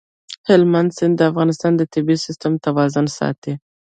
هلمند سیند د افغانستان د طبعي سیسټم توازن ساتي.